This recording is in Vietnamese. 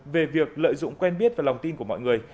về việc lợi dụng quen biết và lòng tin của mọi người